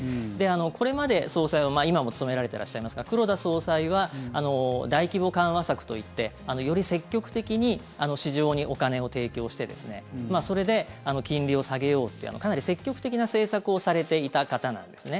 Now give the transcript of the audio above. これまで総裁を今も務められてらっしゃいますが黒田総裁は大規模緩和策といってより積極的に市場にお金を提供してそれで金利を下げようっていうかなり積極的な政策をされていた方なんですね。